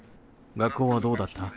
学校はどうだった？